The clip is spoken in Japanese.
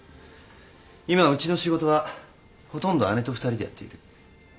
今ウチの仕事はほとんど姉と二人でやっている。